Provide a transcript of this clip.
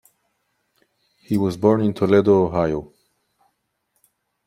He was born in Toledo, Ohio.